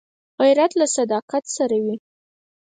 غیرت له صداقت سره وي